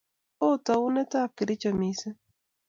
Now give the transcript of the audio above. Ooh taonit ap Kericho mising'.